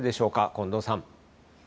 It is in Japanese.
近藤さん。